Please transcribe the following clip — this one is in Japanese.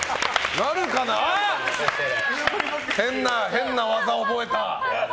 変な技を覚えた。